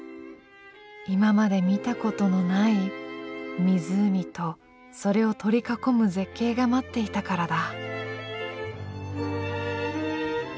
今まで見たことのない湖とそれを取り囲む絶景が待っていたからだ。